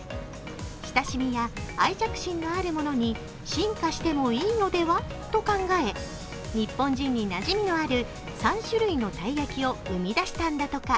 親しみや愛着心のあるものに進化してもいいのでは？と考え日本人になじみのある３種類のたい焼きを生み出したんだとか。